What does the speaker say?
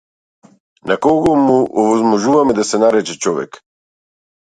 На кого му овозможуваме да се нарече човек?